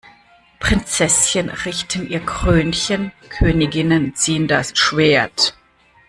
Prinzesschen richten ihr Krönchen, Königinnen ziehen das Schwert!